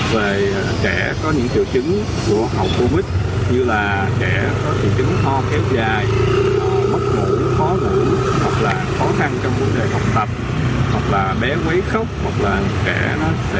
về trẻ có những triệu chứng của hậu covid như là trẻ có triệu chứng ho kéo dài mất ngủ khó ngủ hoặc là khó khăn